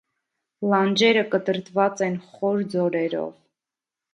Լանջերը կտրտված են խոր ձորերով։